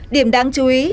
điểm đáng chú ý